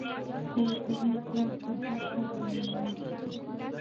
خو زما پلار جهاد ته راغلى و.